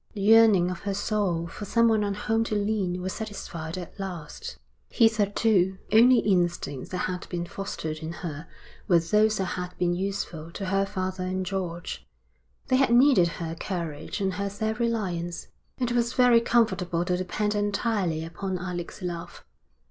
The yearning of her soul for someone on whom to lean was satisfied at last. Hitherto the only instincts that had been fostered in her were those that had been useful to her father and George; they had needed her courage and her self reliance. It was very comfortable to depend entirely upon Alec's love.